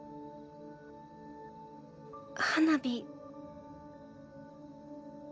花火。